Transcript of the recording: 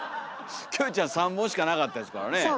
キョエちゃん３本しかなかったですからねえ。